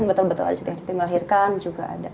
betul betul ada cuti hai cuti melahirkan juga ada